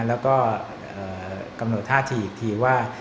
แล้วก็กำหนดท่าทีอีกทีว่า